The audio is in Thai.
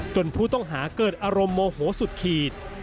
ผู้ต้องหาเกิดอารมณ์โมโหสุดขีด